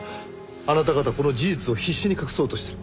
あなた方はこの事実を必死に隠そうとしている。